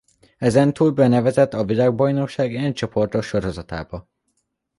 Ezentúl benevezett a világbajnokság N csoportos sorozatába.